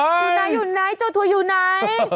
ที่ไหนอยู่ไหนเจ้าถูย์อยู่ไหน